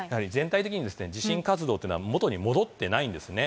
全体的に地震活動というのは、元に戻っていないんです。